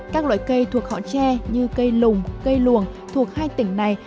các loại cây thuộc họ che như cây lùng cây luồng thuộc hai tỉnh này